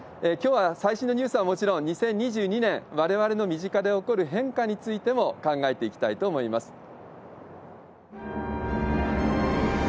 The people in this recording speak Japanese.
きょうは最新のニュースはもちろん２０２２年、われわれの身近で起こる変化についても考えていきたいと思います。